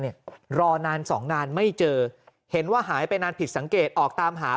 รอนานสองนานไม่เจอเห็นว่าหายไปนานผิดสังเกตออกตามหา